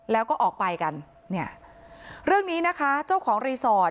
แล้วก็ออกไปกันเนี่ยเรื่องนี้นะคะเจ้าของรีสอร์ท